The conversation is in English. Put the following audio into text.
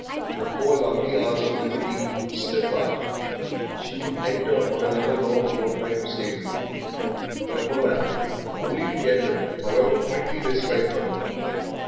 The four lovely hours of liberty would slip by, she would enter on another long fortnight of slavery. But no matter, only to get them, however quickly they sped from her.